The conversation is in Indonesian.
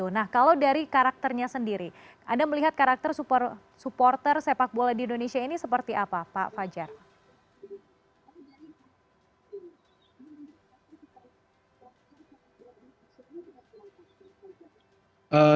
nah kalau dari karakternya sendiri anda melihat karakter supporter sepak bola di indonesia ini seperti apa pak fajar